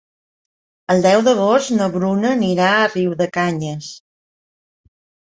El deu d'agost na Bruna anirà a Riudecanyes.